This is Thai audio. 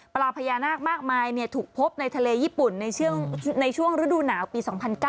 ปลาพญานาคมากมายถูกพบในทะเลญี่ปุ่นในช่วงฤดูหนาวปี๒๐๐๙